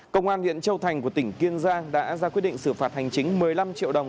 công an huyện châu thành của tỉnh kiên giang đã ra quyết định xử phạt hành chính một mươi năm triệu đồng